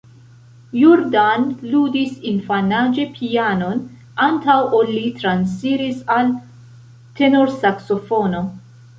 Jordan ludis infanaĝe pianon, antaŭ ol li transiris al tenorsaksofono.